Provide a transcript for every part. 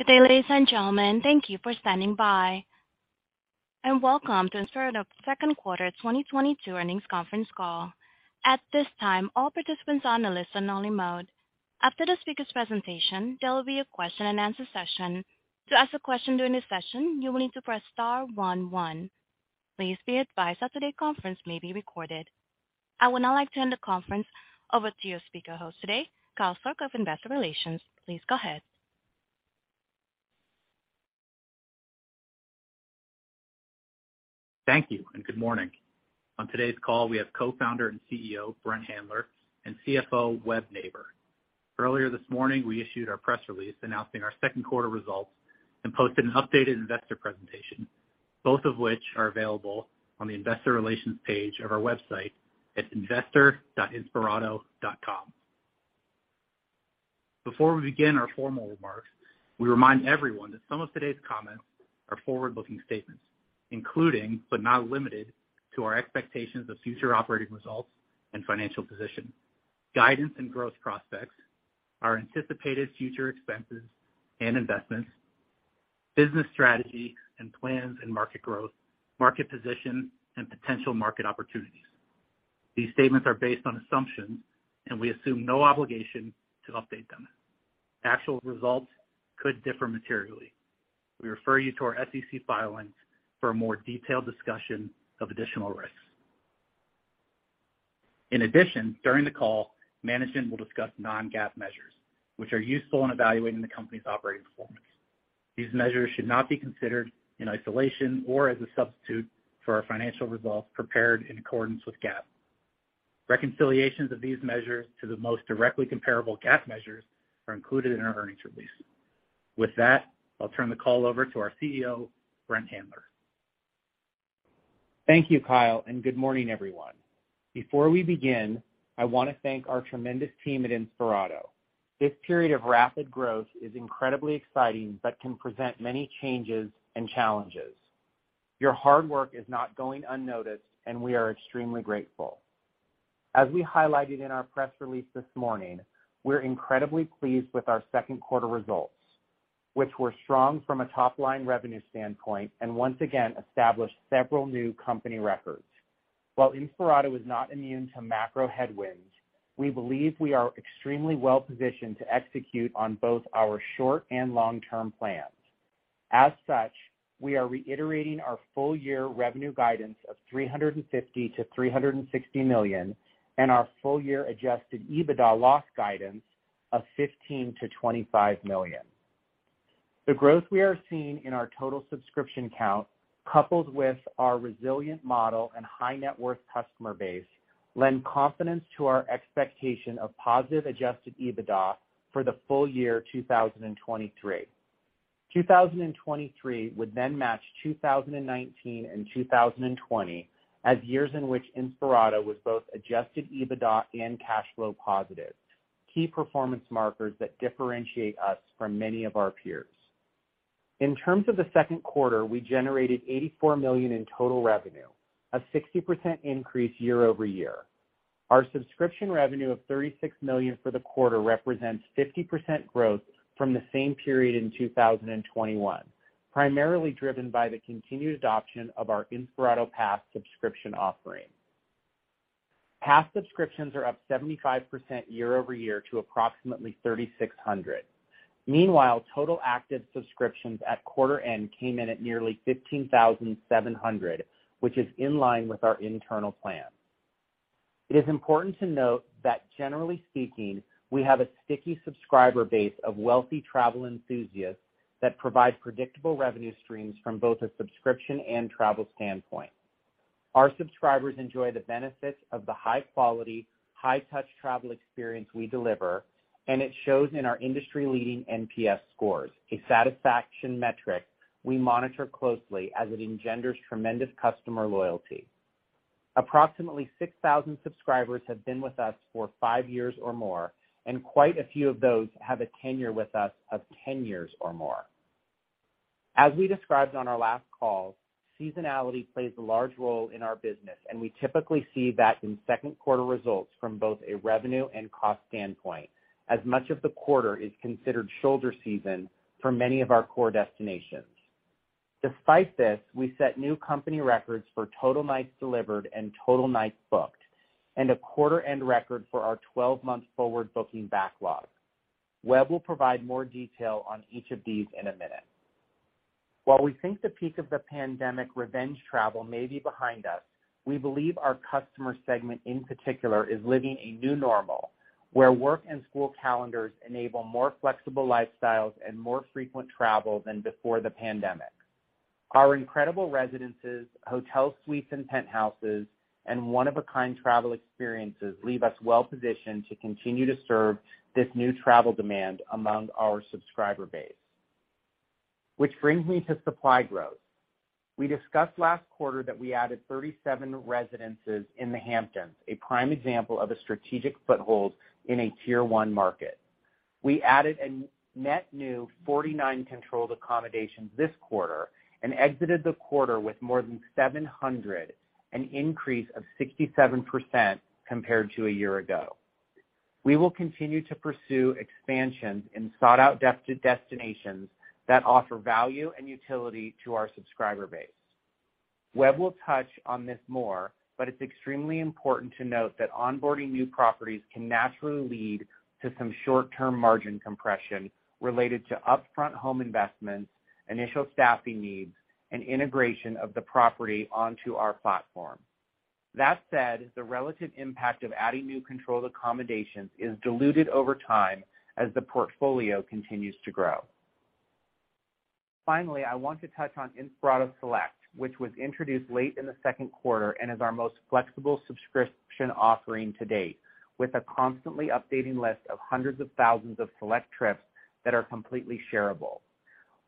Good day, ladies and gentlemen. Thank you for standing by, and welcome to Inspirato Second Quarter 2022 Earnings Conference Call. At this time, all participants are on a listen-only mode. After the speaker's presentation, there will be a question and answer session. To ask a question during this session, you will need to press star one one. Please be advised that today's conference may be recorded. I would now like to hand the conference over to your speaker host today, Kyle Sourk of Investor Relations. Please go ahead. Thank you and good morning. On today's call, we have Co-founder and CEO Brent Handler and CFO Web Neighbor. Earlier this morning, we issued our press release announcing our second quarter results and posted an updated investor presentation, both of which are available on the investor relations page of our website at investor.inspirato.com. Before we begin our formal remarks, we remind everyone that some of today's comments are forward-looking statements, including, but not limited to, our expectations of future operating results and financial position, guidance and growth prospects, our anticipated future expenses and investments, business strategy and plans and market growth, market position, and potential market opportunities. These statements are based on assumptions, and we assume no obligation to update them. Actual results could differ materially. We refer you to our SEC filings for a more detailed discussion of additional risks. In addition, during the call, management will discuss non-GAAP measures which are useful in evaluating the company's operating performance. These measures should not be considered in isolation or as a substitute for our financial results prepared in accordance with GAAP. Reconciliations of these measures to the most directly comparable GAAP measures are included in our earnings release. With that, I'll turn the call over to our CEO, Brent Handler. Thank you, Kyle, and good morning, everyone. Before we begin, I wanna thank our tremendous team at Inspirato. This period of rapid growth is incredibly exciting, but can present many changes and challenges. Your hard work is not going unnoticed, and we are extremely grateful. As we highlighted in our press release this morning, we're incredibly pleased with our second quarter results, which were strong from a top-line revenue standpoint, and once again established several new company records. While Inspirato is not immune to macro headwinds, we believe we are extremely well-positioned to execute on both our short- and long-term plans. As such, we are reiterating our full year revenue guidance of $350 million-$360 million and our full year Adjusted EBITDA loss guidance of $15 million-$25 million. The growth we are seeing in our total subscription count, coupled with our resilient model and high net worth customer base, lends confidence to our expectation of positive Adjusted EBITDA for the full year 2023. 2023 would then match 2019 and 2020 as years in which Inspirato was both Adjusted EBITDA and cash flow positive, key performance markers that differentiate us from many of our peers. In terms of the second quarter, we generated $84 million in total revenue, a 60% increase year over year. Our subscription revenue of $36 million for the quarter represents 50% growth from the same period in 2021, primarily driven by the continued adoption of our Inspirato Pass subscription offering. Pass subscriptions are up 75% year over year to approximately 3,600. Meanwhile, total active subscriptions at quarter end came in at nearly 15,700, which is in line with our internal plan. It is important to note that generally speaking, we have a sticky subscriber base of wealthy travel enthusiasts that provide predictable revenue streams from both a subscription and travel standpoint. Our subscribers enjoy the benefits of the high quality, high touch travel experience we deliver, and it shows in our industry-leading NPS scores, a satisfaction metric we monitor closely as it engenders tremendous customer loyalty. Approximately 6,000 subscribers have been with us for five years or more, and quite a few of those have a tenure with us of 10 years or more. As we described on our last call, seasonality plays a large role in our business, and we typically see that in second quarter results from both a revenue and cost standpoint, as much of the quarter is considered shoulder season for many of our core destinations. Despite this, we set new company records for total nights delivered and total nights booked, and a quarter-end record for our 12-month forward booking backlog. Web will provide more detail on each of these in a minute. While we think the peak of the pandemic revenge travel may be behind us, we believe our customer segment in particular is living a new normal, where work and school calendars enable more flexible lifestyles and more frequent travel than before the pandemic. Our incredible residences, hotel suites and penthouses, and one-of-a-kind travel experiences leave us well positioned to continue to serve this new travel demand among our subscriber base. Which brings me to supply growth. We discussed last quarter that we added 37 residences in the Hamptons, a prime example of a strategic foothold in a tier one market. We added a net new 49 controlled accommodations this quarter and exited the quarter with more than 700, an increase of 67% compared to a year ago. We will continue to pursue expansions in sought-out destinations that offer value and utility to our subscriber base. Web will touch on this more, but it's extremely important to note that onboarding new properties can naturally lead to some short-term margin compression related to upfront home investments, initial staffing needs, and integration of the property onto our platform. That said, the relative impact of adding new controlled accommodations is diluted over time as the portfolio continues to grow. Finally, I want to touch on Inspirato Select, which was introduced late in the second quarter and is our most flexible subscription offering to date, with a constantly updating list of hundreds of thousands of select trips that are completely shareable.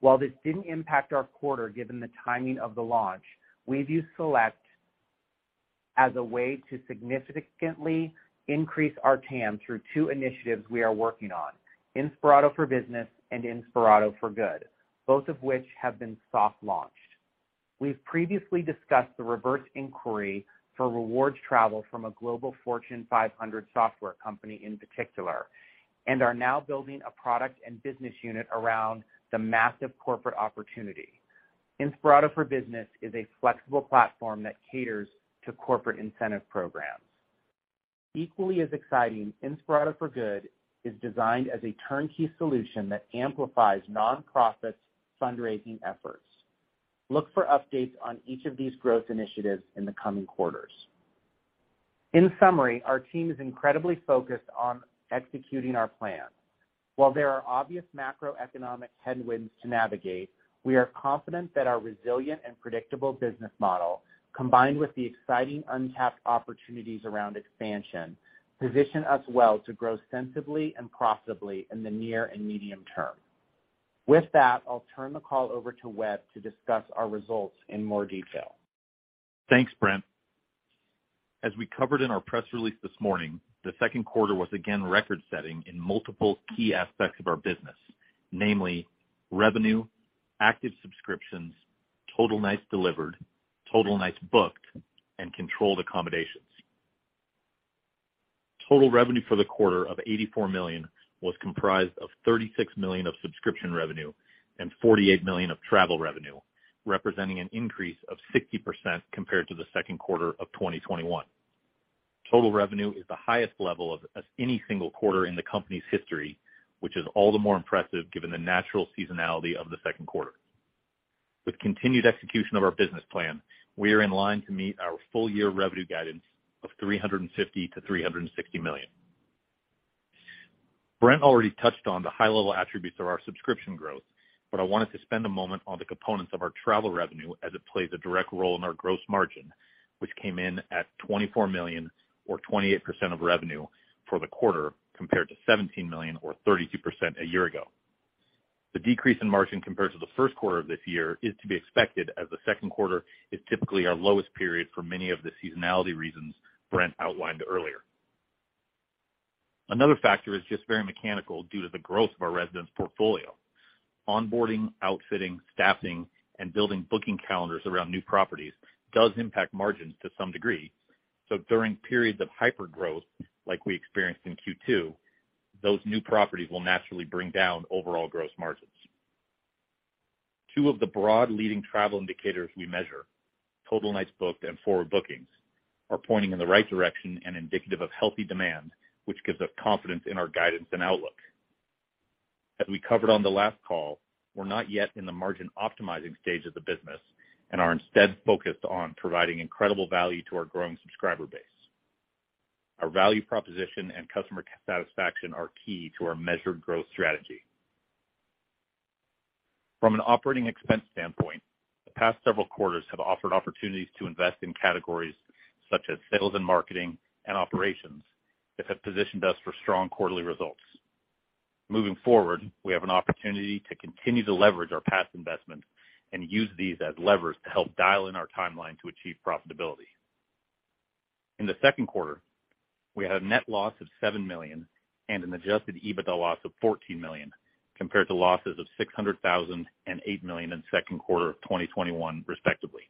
While this didn't impact our quarter, given the timing of the launch, we view Select as a way to significantly increase our TAM through two initiatives we are working on, Inspirato for Business and Inspirato for Good, both of which have been soft launched. We've previously discussed the reverse inquiry for rewards travel from a global Fortune 500 software company in particular, and are now building a product and business unit around the massive corporate opportunity. Inspirato for Business is a flexible platform that caters to corporate incentive programs. Equally as exciting, Inspirato for Good is designed as a turnkey solution that amplifies nonprofit fundraising efforts. Look for updates on each of these growth initiatives in the coming quarters. In summary, our team is incredibly focused on executing our plan. While there are obvious macroeconomic headwinds to navigate, we are confident that our resilient and predictable business model, combined with the exciting untapped opportunities around expansion, position us well to grow sensibly and profitably in the near and medium term. With that, I'll turn the call over to Web to discuss our results in more detail. Thanks, Brent. As we covered in our press release this morning, the second quarter was again record setting in multiple key aspects of our business, namely revenue, active subscriptions, total nights delivered, total nights booked, and controlled accommodations. Total revenue for the quarter of $84 million was comprised of $36 million of subscription revenue and $48 million of travel revenue, representing an increase of 60% compared to the second quarter of 2021. Total revenue is the highest level of any single quarter in the company's history, which is all the more impressive given the natural seasonality of the second quarter. With continued execution of our business plan, we are in line to meet our full year revenue guidance of $350 million-$360 million. Brent already touched on the high level attributes of our subscription growth, but I wanted to spend a moment on the components of our travel revenue as it plays a direct role in our gross margin, which came in at $24 million or 28% of revenue for the quarter, compared to $17 million or 32% a year ago. The decrease in margin compared to the first quarter of this year is to be expected as the second quarter is typically our lowest period for many of the seasonality reasons Brent outlined earlier. Another factor is just very mechanical due to the growth of our residence portfolio. Onboarding, outfitting, staffing, and building booking calendars around new properties does impact margins to some degree. During periods of hypergrowth, like we experienced in Q2, those new properties will naturally bring down overall gross margins. Two of the broad leading travel indicators we measure, total nights booked and forward bookings, are pointing in the right direction and indicative of healthy demand, which gives us confidence in our guidance and outlook. As we covered on the last call, we're not yet in the margin optimizing stage of the business and are instead focused on providing incredible value to our growing subscriber base. Our value proposition and customer satisfaction are key to our measured growth strategy. From an operating expense standpoint, the past several quarters have offered opportunities to invest in categories such as sales and marketing and operations that have positioned us for strong quarterly results. Moving forward, we have an opportunity to continue to leverage our past investments and use these as levers to help dial in our timeline to achieve profitability. In the second quarter, we had a net loss of $7 million and an adjusted EBITDA loss of $14 million, compared to losses of $600,000 and $8 million in second quarter of 2021, respectively.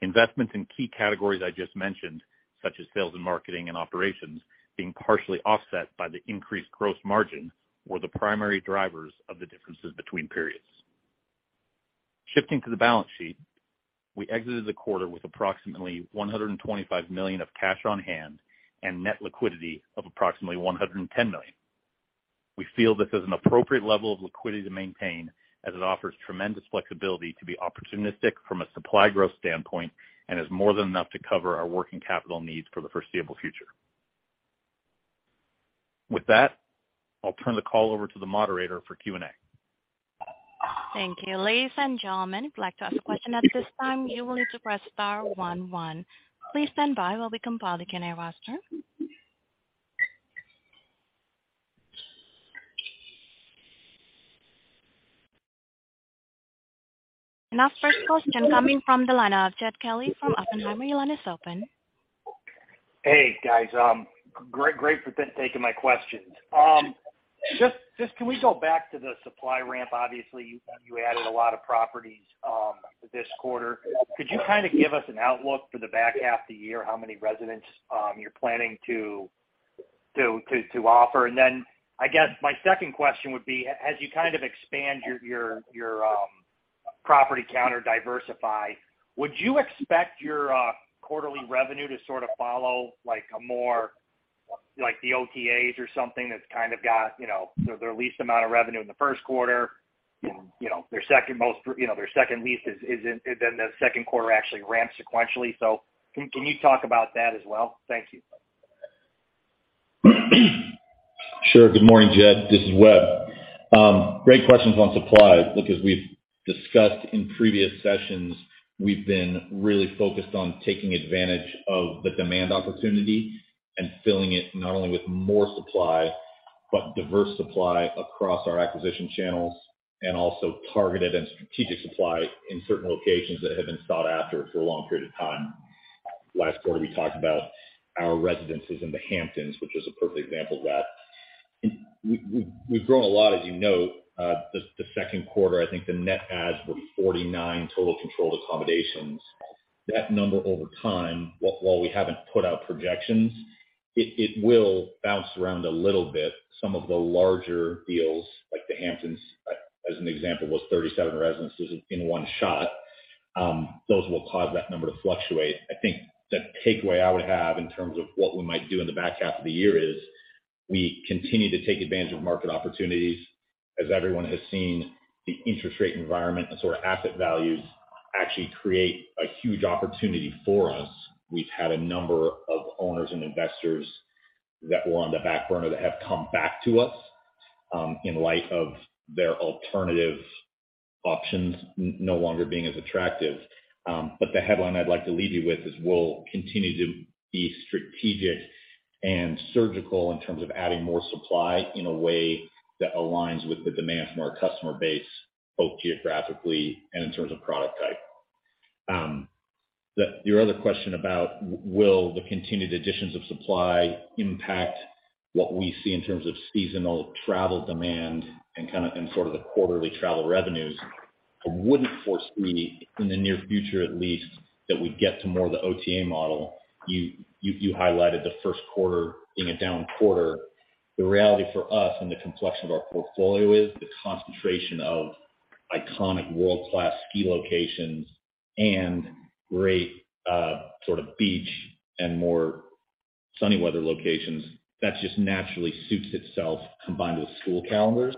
Investments in key categories I just mentioned, such as sales and marketing and operations, being partially offset by the increased gross margin, were the primary drivers of the differences between periods. Shifting to the balance sheet, we exited the quarter with approximately $125 million of cash on hand and net liquidity of approximately $110 million. We feel this is an appropriate level of liquidity to maintain as it offers tremendous flexibility to be opportunistic from a supply growth standpoint and is more than enough to cover our working capital needs for the foreseeable future. With that, I'll turn the call over to the moderator for Q&A. Thank you. Ladies and gentlemen, if you'd like to ask a question at this time, you will need to press star one one. Please stand by while we compile the Q&A roster. Our first question coming from the line of Jed Kelly from Oppenheimer. Your line is open. Hey, guys. Great for taking my questions. Just can we go back to the supply ramp? Obviously you added a lot of properties this quarter. Could you kind of give us an outlook for the back half of the year, how many residences you're planning to offer? And then I guess my second question would be, as you kind of expand your property count or diversify, would you expect your quarterly revenue to sort of follow like a more like the OTAs or something that's kind of got, you know, their least amount of revenue in the first quarter, you know, their second most, you know, their second least is in then the second quarter actually ramps sequentially. So can you talk about that as well? Thank you. Sure. Good morning, Jed. This is Web. Great questions on supply because we've discussed in previous sessions. We've been really focused on taking advantage of the demand opportunity and filling it not only with more supply, but diverse supply across our acquisition channels and also targeted and strategic supply in certain locations that have been sought after for a long period of time. Last quarter we talked about our residences in the Hamptons, which is a perfect example of that. We've grown a lot as you know. The second quarter, I think the net adds were 49 total controlled accommodations. That number over time, while we haven't put out projections, it will bounce around a little bit. Some of the larger deals like the Hamptons, as an example, was 37 residences in one shot. Those will cause that number to fluctuate. I think the takeaway I would have in terms of what we might do in the back half of the year is we continue to take advantage of market opportunities. As everyone has seen the interest rate environment and sort of asset values actually create a huge opportunity for us. We've had a number of owners and investors that were on the back burner that have come back to us, in light of their alternative options no longer being as attractive. The headline I'd like to leave you with is we'll continue to be strategic and surgical in terms of adding more supply in a way that aligns with the demand from our customer base, both geographically and in terms of product type. Your other question about will the continued additions of supply impact what we see in terms of seasonal travel demand and sort of the quarterly travel revenues, I wouldn't foresee in the near future at least that we'd get to more of the OTA model. You highlighted the first quarter being a down quarter. The reality for us and the complexion of our portfolio is the concentration of iconic world-class ski locations and great sort of beach and more sunny weather locations. That just naturally suits itself combined with school calendars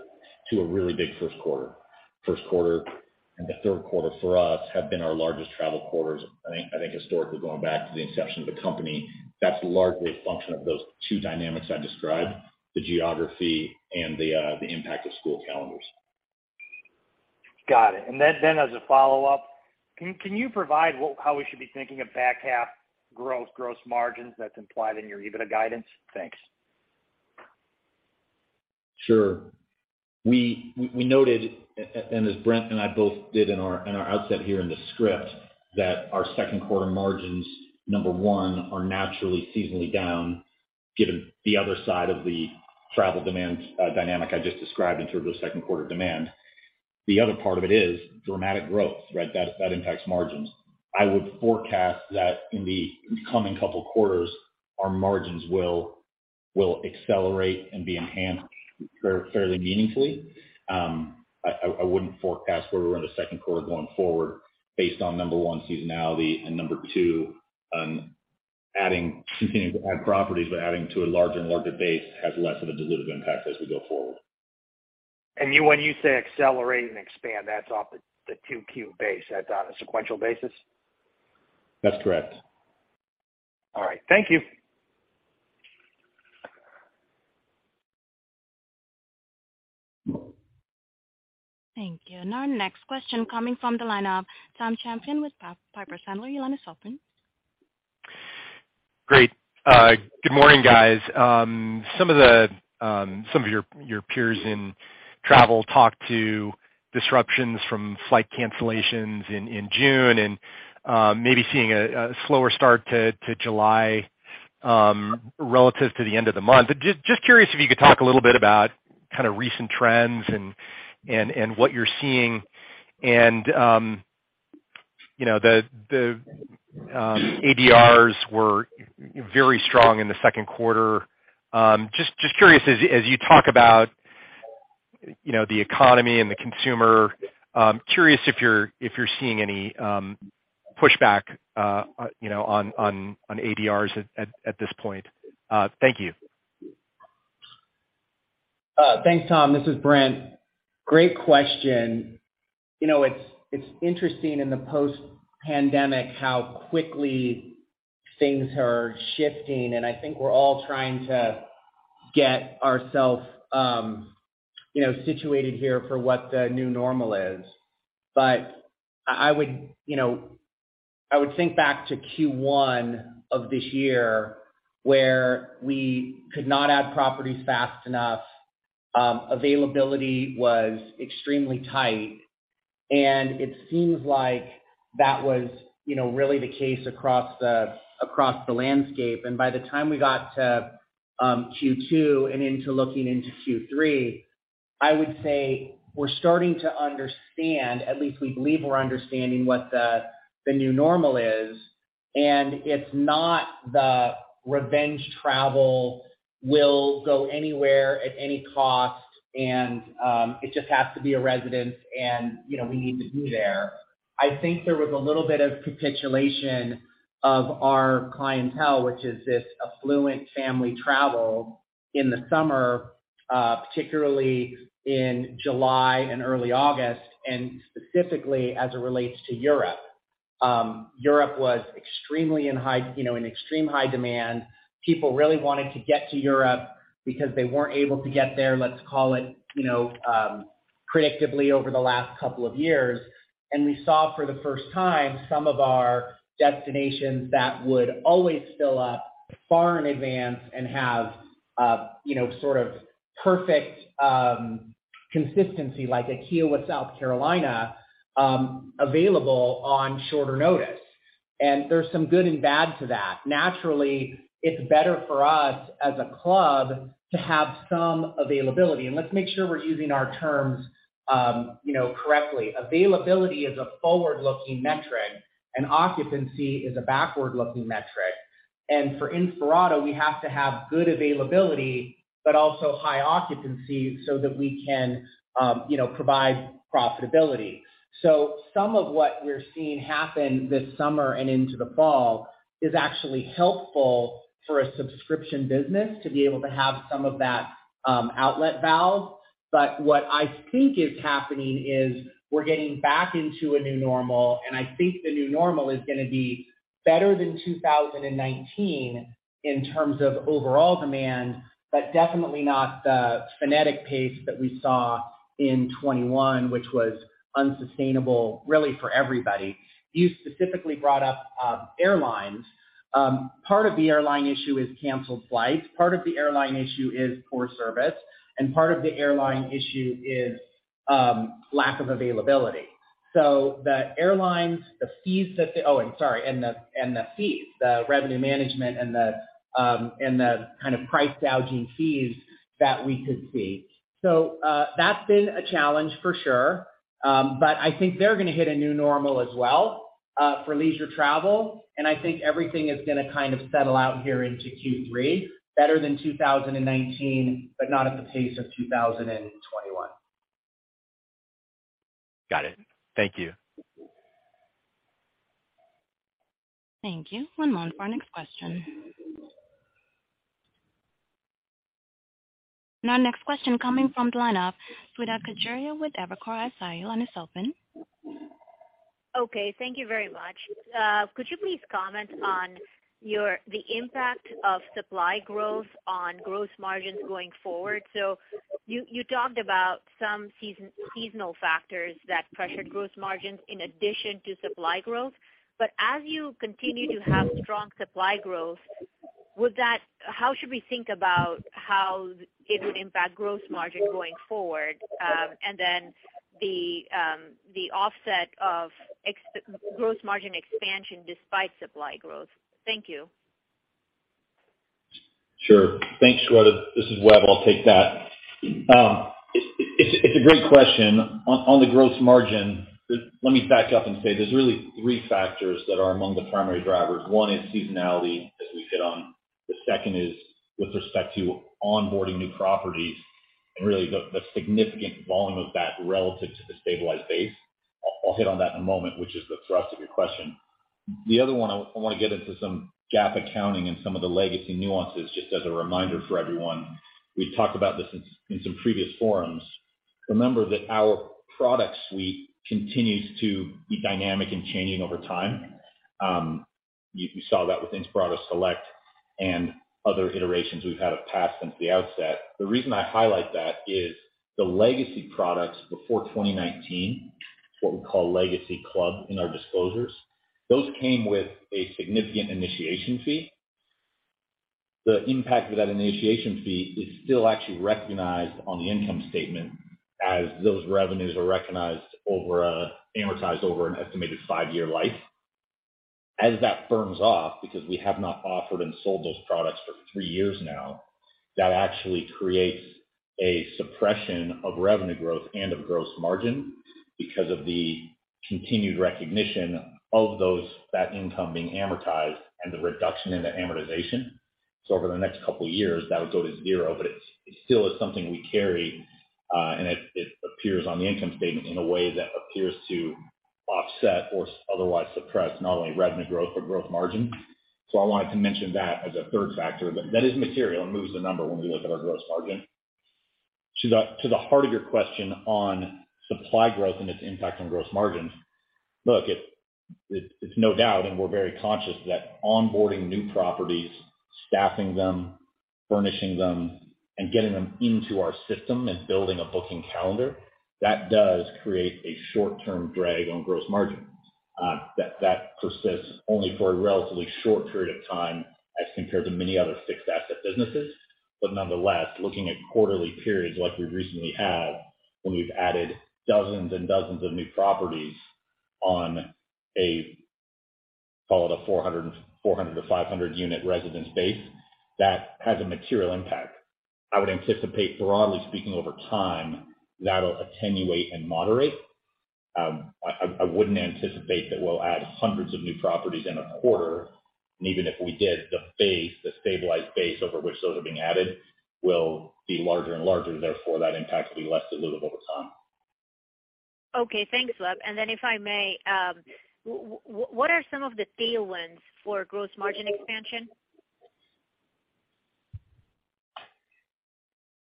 to a really big first quarter. First quarter and the third quarter for us have been our largest travel quarters, I think historically, going back to the inception of the company. That's largely a function of those two dynamics I described, the geography and the impact of school calendars. Got it. Then as a follow-up, can you provide how we should be thinking of back half growth, gross margins that's implied in your EBITDA guidance? Thanks. Sure. We noted, and as Brent and I both did in our outset here in the script, that our second quarter margins, number one, are naturally seasonally down given the other side of the travel demand dynamic I just described in terms of second quarter demand. The other part of it is dramatic growth, right? That impacts margins. I would forecast that in the coming couple quarters our margins will accelerate and be enhanced fairly meaningfully. I wouldn't forecast where we were in the second quarter going forward based on number one, seasonality, and number two, continuing to add properties but adding to a larger and larger base has less of a dilutive impact as we go forward. You, when you say accelerate and expand, that's off the 2Q base, that's on a sequential basis? That's correct. All right. Thank you. Mm-hmm. Thank you. Our next question coming from the line of Tom Champion with Piper Sandler. Your line is open. Great. Good morning, guys. Some of your peers in travel talked about disruptions from flight cancellations in June and maybe seeing a slower start to July relative to the end of the month. Just curious if you could talk a little bit about kind of recent trends and what you're seeing. You know, the ADR were very strong in the second quarter. Just curious as you talk about you know the economy and the consumer curious if you're seeing any pushback you know on ADR at this point. Thank you. Thanks, Tom. This is Brent. Great question. You know, it's interesting in the post-pandemic how quickly things are shifting, and I think we're all trying to get ourselves, you know, situated here for what the new normal is. I would, you know, I would think back to Q1 of this year where we could not add properties fast enough, availability was extremely tight. It seems like that was, you know, really the case across the landscape. By the time we got to Q2 and into looking into Q3, I would say we're starting to understand, at least we believe we're understanding what the new normal is. It's not the revenge travel, we'll go anywhere at any cost, and it just has to be a residence and, you know, we need to be there. I think there was a little bit of capitulation of our clientele, which is this affluent family travel in the summer, particularly in July and early August, and specifically as it relates to Europe. Europe was in extremely high demand. People really wanted to get to Europe because they weren't able to get there, let's call it, you know, predictably over the last couple of years. We saw for the first time some of our destinations that would always fill up far in advance and have, you know, sort of perfect consistency like Kiawah, South Carolina, available on shorter notice. There's some good and bad to that. Naturally, it's better for us as a club to have some availability. Let's make sure we're using our terms, you know, correctly. Availability is a forward-looking metric, and occupancy is a backward-looking metric. For Inspirato, we have to have good availability, but also high occupancy so that we can, you know, provide profitability. Some of what we're seeing happen this summer and into the fall is actually helpful for a subscription business to be able to have some of that, outlet valve. What I think is happening is we're getting back into a new normal, and I think the new normal is gonna be better than 2019 in terms of overall demand, but definitely not the frenetic pace that we saw in 2021, which was unsustainable really for everybody. You specifically brought up, airlines. Part of the airline issue is canceled flights. Part of the airline issue is poor service, and part of the airline issue is, lack of availability. The airlines, the fees that they, the revenue management and the kind of price gouging fees that we could see. That's been a challenge for sure. I think they're gonna hit a new normal as well for leisure travel. I think everything is gonna kind of settle out here into Q3 better than 2019, but not at the pace of 2021. Got it. Thank you. Thank you. One moment for our next question. Our next question coming from the line of Shweta Khajuria with Evercore ISI, and it's open. Okay. Thank you very much. Could you please comment on the impact of supply growth on gross margins going forward? You talked about some seasonal factors that pressured gross margins in addition to supply growth. As you continue to have strong supply growth, how should we think about how it would impact gross margin going forward, and then the offset of gross margin expansion despite supply growth? Thank you. Sure. Thanks, Shweta. This is Web. I'll take that. It's a great question. On the gross margin, let me back up and say there's really three factors that are among the primary drivers. One is seasonality, as we hit on. The second is with respect to onboarding new properties and really the significant volume of that relative to the stabilized base. I'll hit on that in a moment, which is the thrust of your question. The other one, I want to get into some GAAP accounting and some of the legacy nuances just as a reminder for everyone. We talked about this in some previous forums. Remember that our product suite continues to be dynamic and changing over time. You saw that with Inspirato Select and other iterations we've had of Pass since the outset. The reason I highlight that is the legacy products before 2019, what we call Legacy Club in our disclosures, those came with a significant initiation fee. The impact of that initiation fee is still actually recognized on the income statement as those revenues are recognized over, amortized over an estimated five-year life. As that runs off, because we have not offered and sold those products for three years now, that actually creates a suppression of revenue growth and of gross margin because of the continued recognition of that income being amortized and the reduction in the amortization. Over the next couple years, that'll go to zero, but it still is something we carry, and it appears on the income statement in a way that appears to offset or otherwise suppress not only revenue growth, but gross margin. I wanted to mention that as a third factor, but that is material and moves the number when we look at our gross margin. To the heart of your question on supply growth and its impact on gross margins. Look, it's no doubt, and we're very conscious that onboarding new properties, staffing them, furnishing them, and getting them into our system and building a booking calendar, that does create a short-term drag on gross margin. That persists only for a relatively short period of time as compared to many other fixed asset businesses. Nonetheless, looking at quarterly periods like we've recently had, when we've added dozens and dozens of new properties on a call it a 400-500 unit residence base, that has a material impact. I would anticipate, broadly speaking, over time, that'll attenuate and moderate. I wouldn't anticipate that we'll add hundreds of new properties in a quarter, and even if we did, the base, the stabilized base over which those are being added will be larger and larger, therefore that impact will be less dilutive over time. Okay, thanks, Web. If I may, what are some of the tailwinds for gross margin expansion?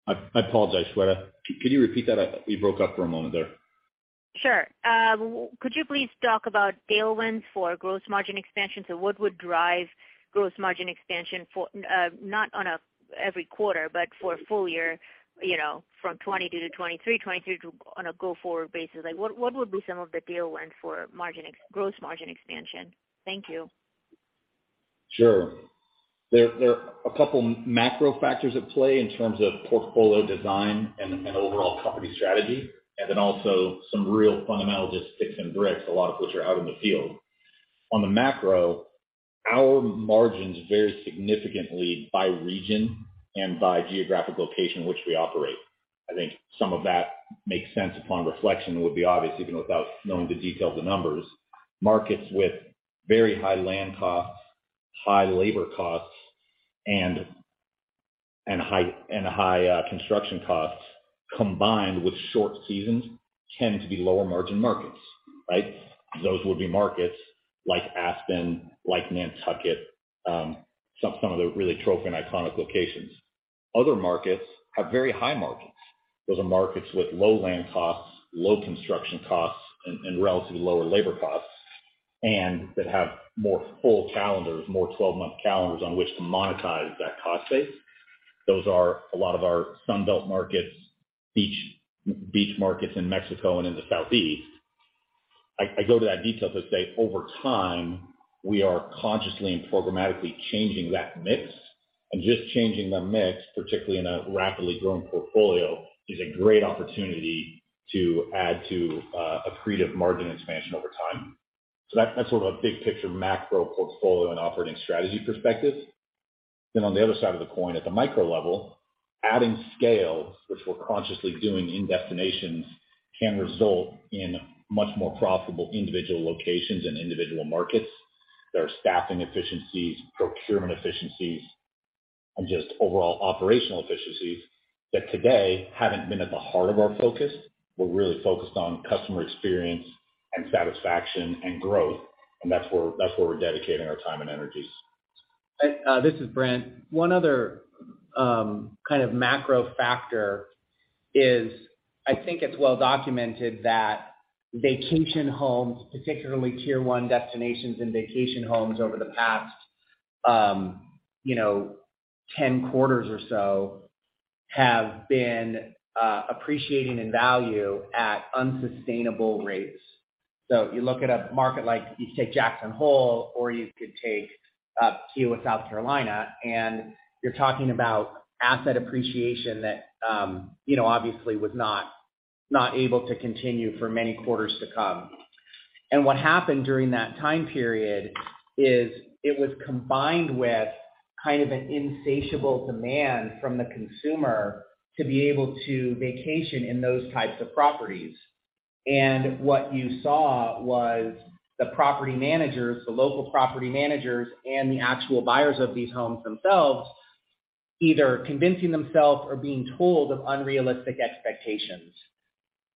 I apologize, Shweta. Could you repeat that? You broke up for a moment there. Sure. Could you please talk about tailwinds for gross margin expansion? What would drive gross margin expansion for not every quarter, but for a full year, you know, from 2022 to 2023 on a go-forward basis. Like, what would be some of the tailwind for gross margin expansion? Thank you. Sure. There are a couple macro factors at play in terms of portfolio design and overall company strategy, and then also some real fundamental just sticks and bricks, a lot of which are out in the field. On the macro, our margins vary significantly by region and by geographic location in which we operate. I think some of that makes sense upon reflection. It would be obvious even without knowing the details of the numbers. Markets with very high land costs, high labor costs, and high construction costs combined with short seasons tend to be lower margin markets, right? Those would be markets like Aspen, like Nantucket, some of the really trophy and iconic locations. Other markets have very high margins. Those are markets with low land costs, low construction costs and relatively lower labor costs, and that have more full calendars, more 12-month calendars on which to monetize that cost base. Those are a lot of our Sun Belt markets, beach markets in Mexico and in the southeast. I go to that detail to say over time, we are consciously and programmatically changing that mix. Just changing the mix, particularly in a rapidly growing portfolio, is a great opportunity to add to accretive margin expansion over time. That's sort of a big picture macro portfolio and operating strategy perspective. On the other side of the coin, at the micro level, adding scale, which we're consciously doing in destinations, can result in much more profitable individual locations and individual markets. There are staffing efficiencies, procurement efficiencies, and just overall operational efficiencies that today haven't been at the heart of our focus. We're really focused on customer experience and satisfaction and growth, and that's where we're dedicating our time and energies. This is Brent. One other kind of macro factor is, I think it's well documented that vacation homes, particularly tier one destinations and vacation homes over the past, you know, 10 quarters or so, have been appreciating in value at unsustainable rates. You look at a market like you take Jackson Hole or you could take Kiawah, South Carolina, and you're talking about asset appreciation that, you know, obviously was not able to continue for many quarters to come. What happened during that time period is it was combined with kind of an insatiable demand from the consumer to be able to vacation in those types of properties. What you saw was the property managers, the local property managers and the actual buyers of these homes themselves either convincing themselves or being told of unrealistic expectations.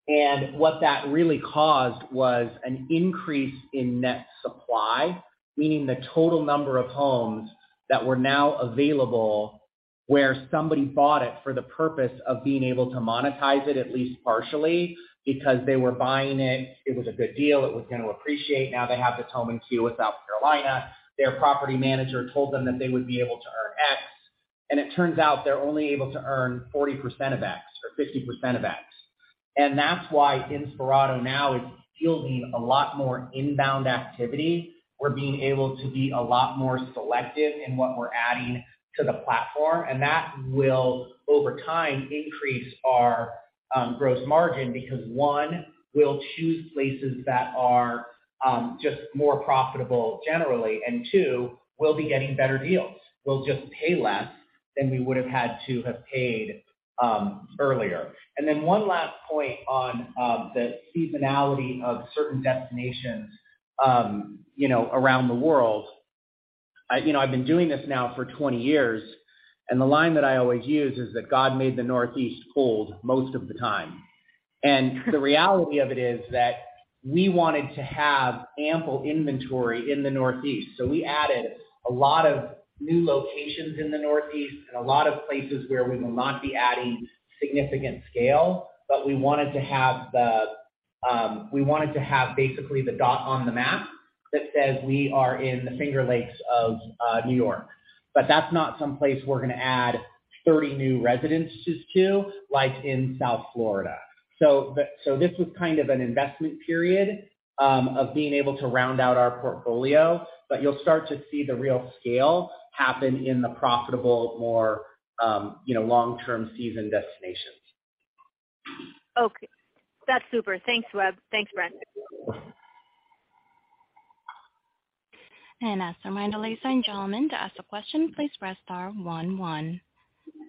What that really caused was an increase in net supply, meaning the total number of homes that were now available where somebody bought it for the purpose of being able to monetize it at least partially because they were buying it was a good deal, it was gonna appreciate. Now they have this home in Kiawah, South Carolina. Their property manager told them that they would be able to earn X, and it turns out they're only able to earn 40% of X or 50% of X. That's why Inspirato now is fielding a lot more inbound activity. We're being able to be a lot more selective in what we're adding to the platform, and that will over time increase our gross margin because, one, we'll choose places that are just more profitable generally, and two, we'll be getting better deals. We'll just pay less than we would have had to have paid earlier. Then one last point on the seasonality of certain destinations, you know, around the world. I you know I've been doing this now for 20 years, and the line that I always use is that God made the Northeast cold most of the time. The reality of it is that we wanted to have ample inventory in the Northeast, so we added a lot of new locations in the Northeast and a lot of places where we will not be adding significant scale. We wanted to have basically the dot on the map that says we are in the Finger Lakes of New York. That's not some place we're gonna add 30 new residences to like in South Florida. This was kind of an investment period of being able to round out our portfolio, but you'll start to see the real scale happen in the profitable core, you know, long-term seasonal destinations. Okay. That's super. Thanks, Web. Thanks, Brent. As a reminder, ladies and gentlemen, to ask a question, please press star one one.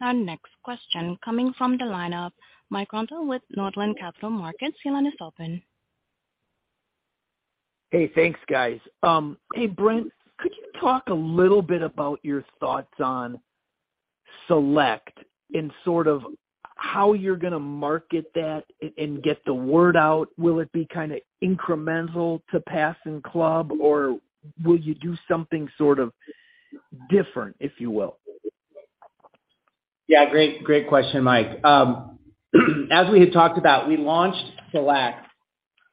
Our next question coming from the line of Mike Grondahl with Northland Capital Markets. Your line is open. Hey, thanks, guys. Hey, Brent, could you talk a little bit about your thoughts on Select and sort of how you're gonna market that and get the word out? Will it be kinda incremental to Pass and Club, or will you do something sort of different, if you will? Yeah, great question, Mike. As we had talked about, we launched Select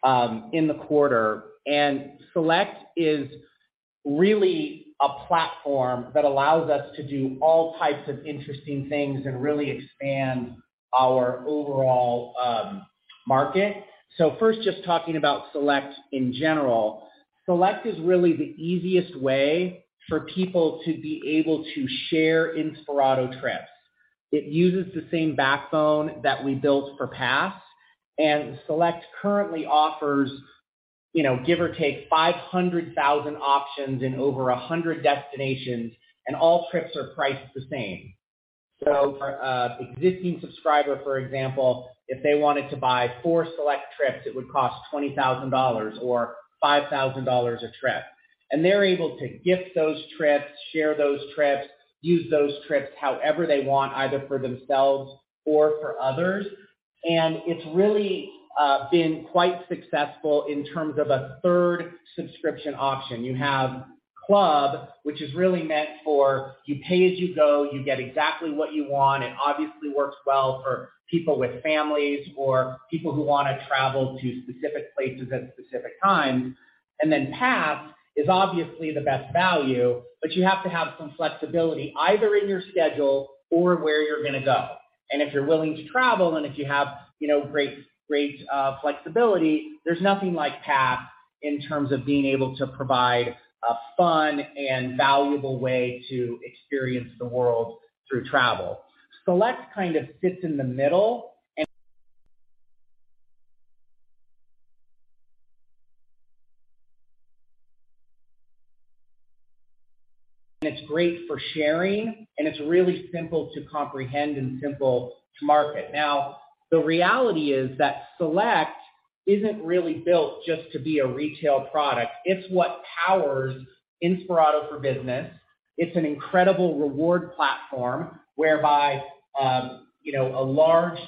in the quarter, and Select is really a platform that allows us to do all types of interesting things and really expand our overall market. First, just talking about Select in general, Select is really the easiest way for people to be able to share Inspirato trips. It uses the same backbone that we built for Pass, and Select currently offers, you know, give or take 500,000 options in over 100 destinations, and all trips are priced the same. For existing subscriber, for example, if they wanted to buy four Select trips, it would cost $20,000 or $5,000 a trip. They're able to gift those trips, share those trips, use those trips however they want, either for themselves or for others. It's really been quite successful in terms of a third subscription option. You have Club, which is really meant for you pay as you go, you get exactly what you want. It obviously works well for people with families or people who wanna travel to specific places at specific times. Then Pass is obviously the best value, but you have to have some flexibility either in your schedule or where you're gonna go. If you're willing to travel and if you have, you know, great flexibility, there's nothing like Pass in terms of being able to provide a fun and valuable way to experience the world through travel. Select kind of sits in the middle, and it's great for sharing, and it's really simple to comprehend and simple to market. Now, the reality is that Select isn't really built just to be a retail product. It's what powers Inspirato for Business. It's an incredible reward platform whereby, you know, a large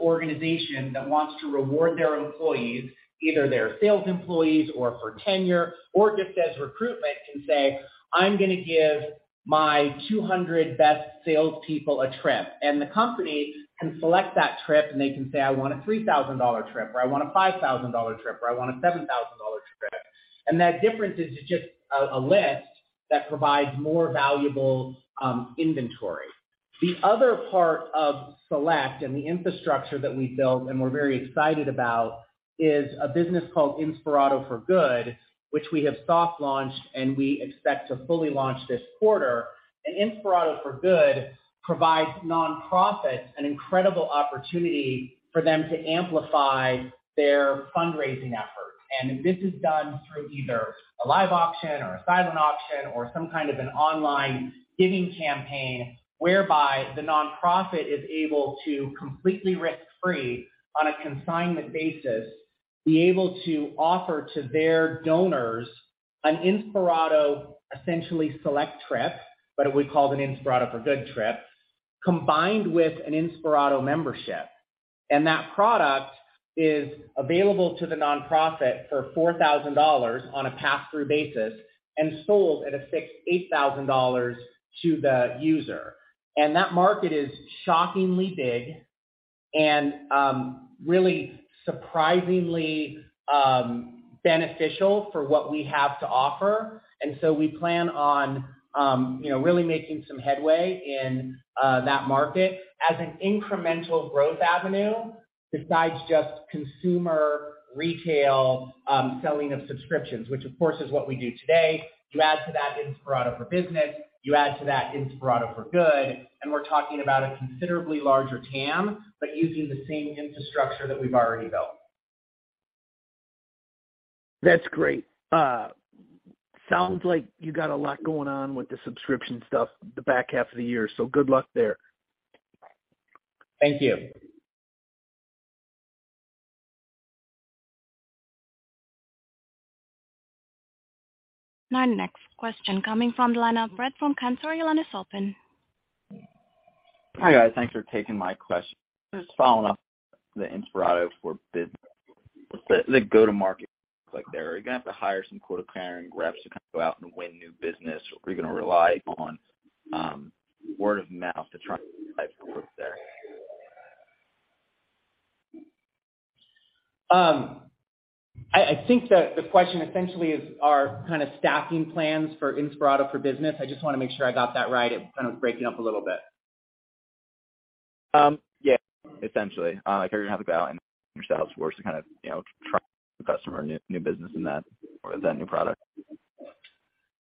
organization that wants to reward their employees, either their sales employees or for tenure or just as recruitment can say, "I'm gonna give my 200 best salespeople a trip." The company can select that trip, and they can say, "I want a $3,000 trip," or, "I want a $5,000 trip," or, "I want a $7,000 trip." That difference is just a list that provides more valuable inventory. The other part of Select and the infrastructure that we built and we're very excited about is a business called Inspirato for Good, which we have soft launched, and we expect to fully launch this quarter. Inspirato for Good provides nonprofits an incredible opportunity for them to amplify their fundraising efforts. This is done through either a live auction or a silent auction or some kind of an online giving campaign whereby the nonprofit is able to completely risk-free on a consignment basis, be able to offer to their donors an Inspirato Select trip, but we called an Inspirato for Good trip, combined with an Inspirato membership. That product is available to the nonprofit for $4,000 on a pass-through basis and sold at a fixed $8,000 to the user. That market is shockingly big and, really surprisingly, beneficial for what we have to offer. We plan on, you know, really making some headway in that market as an incremental growth avenue besides just consumer retail, selling of subscriptions, which of course is what we do today. You add to that Inspirato for Business, you add to that Inspirato for Good, and we're talking about a considerably larger TAM, but using the same infrastructure that we've already built. That's great. Sounds like you got a lot going on with the subscription stuff the back half of the year, so good luck there. Thank you. Our next question coming from the line of Brett from Cantor. Your line is open. Hi, guys. Thanks for taking my question. Just following up on the Inspirato for Business. The go-to-market, like there. Are you gonna have to hire some quote-unquote reps to kind of go out and win new business, or are you gonna rely on word of mouth to try and tap the work there? I think the question essentially is our kind of staffing plans for Inspirato for Business. I just wanna make sure I got that right. It was kind of breaking up a little bit. Yeah, essentially. I hear you have kind of, you know, tried customer new business in that or that new product.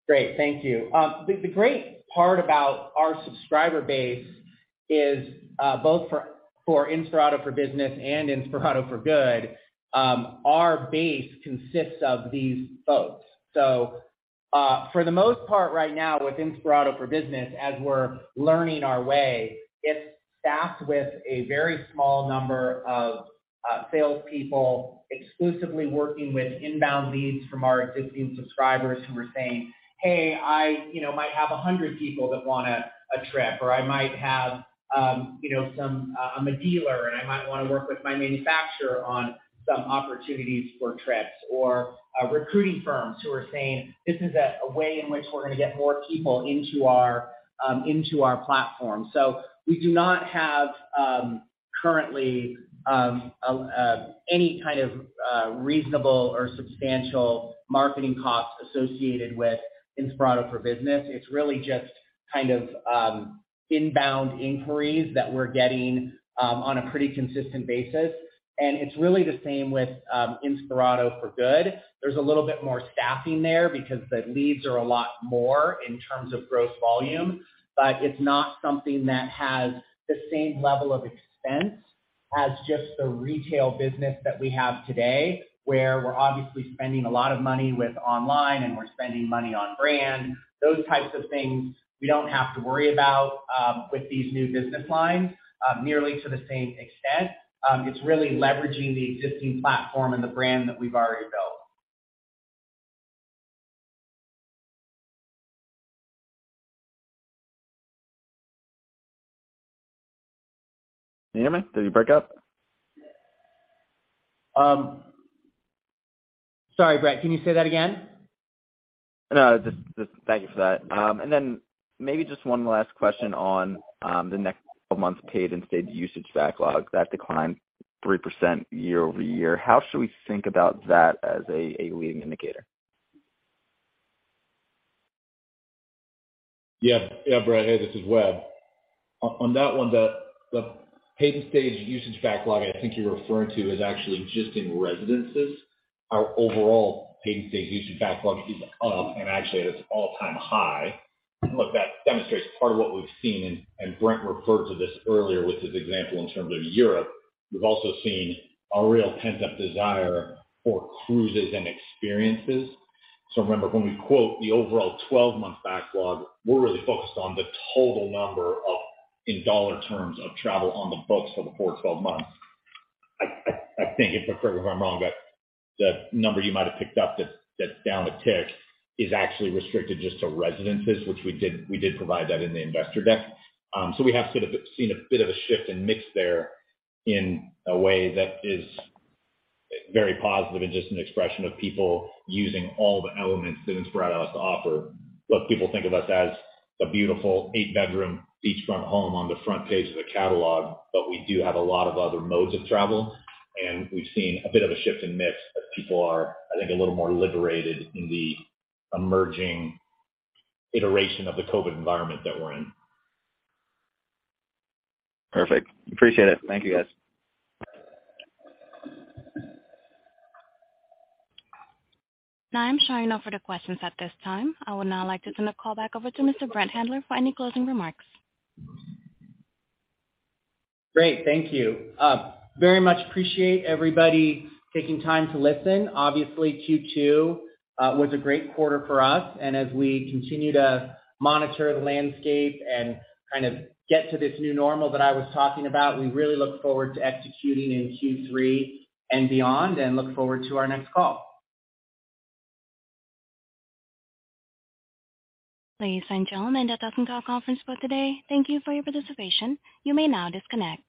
Great. Thank you. The great part about our subscriber base is both for Inspirato for Business and Inspirato for Good, our base consists of these folks. For the most part right now with Inspirato for Business, as we're learning our way, it's staffed with a very small number of salespeople exclusively working with inbound leads from our existing subscribers who are saying, "Hey, I you know might have 100 people that want a trip," or, "I might have you know some. I'm a dealer, and I might wanna work with my manufacturer on some opportunities for trips." Or, recruiting firms who are saying, "This is a way in which we're gonna get more people into our platform." We do not have currently any kind of reasonable or substantial marketing costs associated with Inspirato for Business. It's really just kind of inbound inquiries that we're getting on a pretty consistent basis. It's really the same with Inspirato for Good. There's a little bit more staffing there because the leads are a lot more in terms of gross volume, but it's not something that has the same level of expense as just the retail business that we have today, where we're obviously spending a lot of money with online, and we're spending money on brand. Those types of things we don't have to worry about, with these new business lines, nearly to the same extent. It's really leveraging the existing platform and the brand that we've already built. Can you hear me? Did you break up? Sorry, Brett. Can you say that again? No, just thank you for that. Maybe just one last question on the next couple months paid and stayed usage backlog. That declined 3% year-over-year. How should we think about that as a leading indicator? Yeah. Yeah, Brett. Hey, this is Web. On that one, the paid and stayed usage backlog I think you're referring to is actually just in residences. Our overall paid and stayed usage backlog is up and actually at its all-time high. Look, that demonstrates part of what we've seen, and Brent referred to this earlier with his example in terms of Europe. We've also seen a real pent-up desire for cruises and experiences. Remember, when we quote the overall twelve-month backlog, we're really focused on the total number of, in dollar terms, of travel on the books for the prior 12 months. I think, if I'm correct or if I'm wrong, that the number you might have picked up that's down a tick is actually restricted just to residences, which we did provide that in the investor deck. We have sort of seen a bit of a shift in mix there in a way that is very positive and just an expression of people using all the elements that Inspirato has to offer. Look, people think of us as a beautiful eight-bedroom beachfront home on the front page of the catalog, but we do have a lot of other modes of travel, and we've seen a bit of a shift in mix as people are, I think, a little more liberated in the emerging iteration of the COVID environment that we're in. Perfect. Appreciate it. Thank you, guys. Now I'm showing no further questions at this time. I would now like to turn the call back over to Mr. Brent Handler for any closing remarks. Great. Thank you. Very much appreciate everybody taking time to listen. Obviously, Q2 was a great quarter for us, and as we continue to monitor the landscape and kind of get to this new normal that I was talking about, we really look forward to executing in Q3 and beyond and look forward to our next call. Ladies and gentlemen, that does end our conference call today. Thank you for your participation. You may now disconnect.